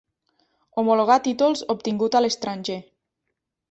Homologar títols obtingut a l'estranger.